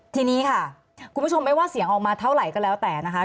ทีนี้ค่ะคุณผู้ชมไม่ว่าเสียงออกมาเท่าไหร่ก็แล้วแต่นะคะ